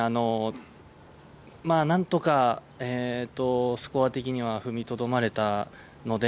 なんとかスコア的には踏みとどまれたので